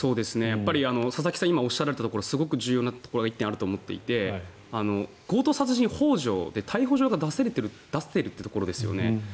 やっぱり佐々木さんが今おっしゃったところに重要なポイントがあると思っていて強盗殺人ほう助で逮捕状が出せているというところですよね。